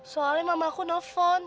soalnya mamah aku nelfon